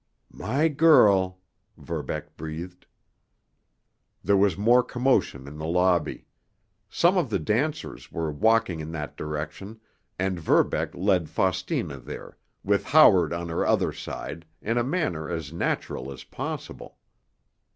"My girl!" Verbeck breathed. There was more commotion in the lobby. Some of the dancers were walking in that direction, and Verbeck led Faustina there, with Howard on her other side, in a manner as natural as possible.